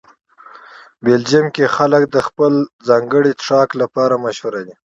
بلجیم کې خلک د خپل ځانګړي څښاک لپاره مشهوره دي.